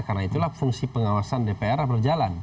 ya itu adalah fungsi pengawasan dpr ri berjalan